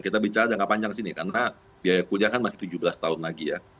kita bicara jangka panjang sini karena biaya kuliah kan masih tujuh belas tahun lagi ya